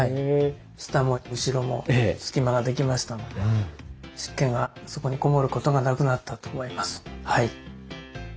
下も後ろも隙間ができましたので湿気がそこにこもることがなくなったと思います。